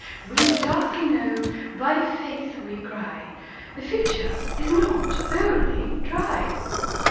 We darkly know, by Faith we cry, The future is not Wholly Dry.